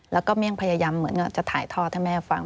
แล้วก็เมี่ยงพยายามเหมือนจะถ่ายทอดให้แม่ฟัง